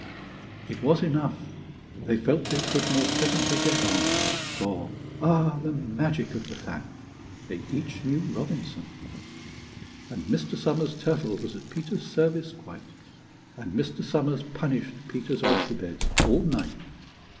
It was enough: they felt they could more pleasantly get on, For (ah, the magic of the fact!) they each knew Robinson! And Mr. Somers' turtle was at Peter's service quite, And Mr. Somers punished Peter's oyster beds all night.